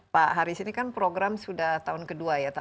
pak haris ini kan program sudah tahun kedua ya